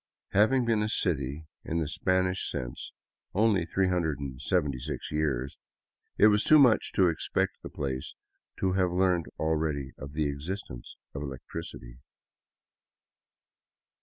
Having been a city, in the Spanish sense, only 376 years, it was too much to expect the place to have learned already of the existence of electricity.